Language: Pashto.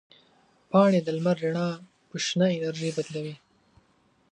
پاڼې د لمر رڼا په شنه انرژي بدلوي.